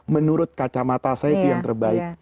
menurut kacamata saya itu yang terbaik